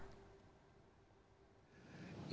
jo chong seng di kawasan senayan jakarta